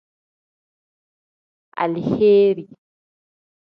Aleheeri.